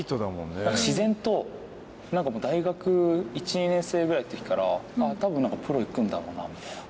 自然と大学１２年生ぐらいの時から「多分プロ行くんだろうな」みたいな。